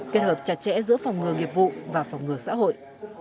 kết hợp chặt chẽ giữa phòng ngừa nghiệp vụ và phòng ngừa xã hội